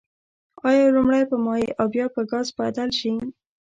آیا لومړی په مایع او بیا به په ګاز بدل شي؟